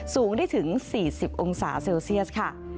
สูงได้ถึง๔๐องศาเซลเซียสค่ะ